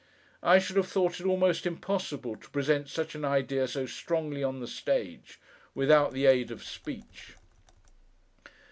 I should have thought it almost impossible to present such an idea so strongly on the stage, without the aid of speech.